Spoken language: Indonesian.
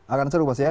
akan seru pasti ya